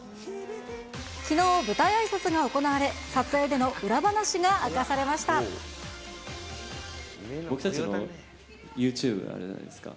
きのう、舞台あいさつが行われ、僕たちのユーチューブあるじゃないですか。